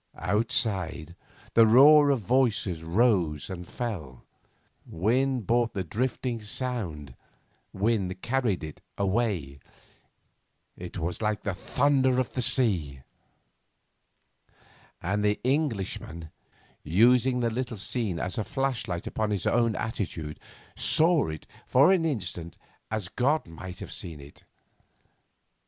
Outside the roar of voices rose and fell. Wind brought the drifting sound, wind carried it away. It was like the thunder of the sea. And the Englishman, using the little scene as a flashlight upon his own attitude, saw it for an instant as God might have seen it.